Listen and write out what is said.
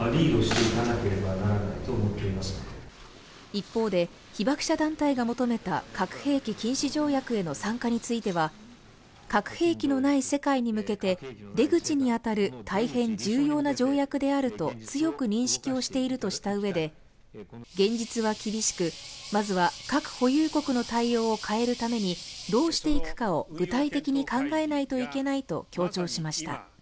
一方で、被爆者団体が求めた核兵器禁止条約への参加については核兵器のない世界に向けて出口に当たる大変重要な条約であると強く認識をしているとしたうえで現実は厳しくまずは核保有国の対応を変えるためにどうしていくかを具体的に考えないといけないと強調しました。